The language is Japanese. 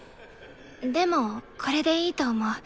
でもこれでいいと思う。